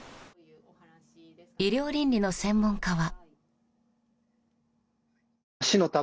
医療倫理の専門家は。